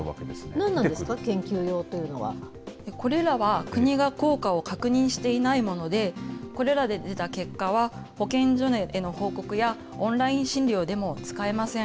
何なんですか、研究用というのは。これらは国が効果を確認していないもので、これらで出た結果は、保健所への報告やオンライン診療でも使えません。